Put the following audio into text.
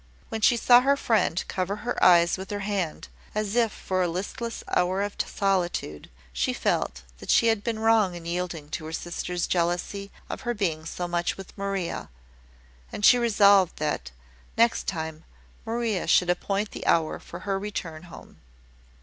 When she saw her friend cover her eyes with her hand, as if for a listless hour of solitude, she felt that she had been wrong in yielding to her sister's jealousy of her being so much with Maria; and she resolved that, next time, Maria should appoint the hour for her return home.